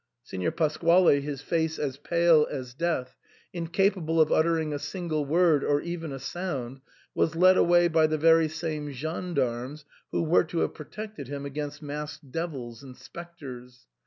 *' Signor Pasquale, his face as pale as death, incapable of uttering a single word or even a sound, was led away by the very same gendarmes who were to have pro tected him against masked devils and spectres.